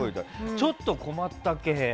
ちょっと困った系。